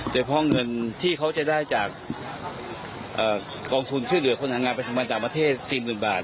เฉพาะเงินที่เขาจะได้จากกองทุนชื่อเหลือคนหางานไปทำมาจากประเทศ๔๐๐๐๐บาท